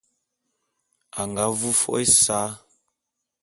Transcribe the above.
A nga vu fo’o ésa.